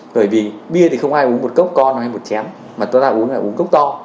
bởi vì bia thì không ai uống một cốc con hay một chén mà chúng ta uống là uống cốc to